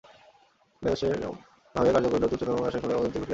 ক্রীতদাসের ভাবে কার্য করিলে অতি উচ্চতম কার্যেরও ফলে অবনতিই ঘটিয়া থাকে।